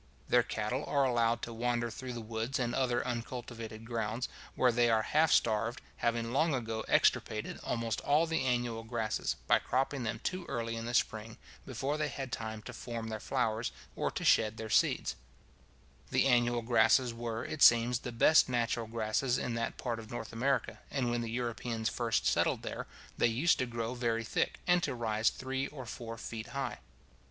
Their cattle are allowed to wander through the woods and other uncultivated grounds, where they are half starved; having long ago extirpated almost all the annual grasses, by cropping them too early in the spring, before they had time to form their flowers, or to shed their seeds. {Kalm's Travels, vol 1, pp. 343, 344.} The annual grasses were, it seems, the best natural grasses in that part of North America; and when the Europeans first settled there, they used to grow very thick, and to rise three or four feet high.